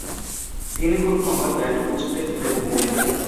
তিনি খুব কমই ব্যাট উঁচুতে তুলে ধরতেন।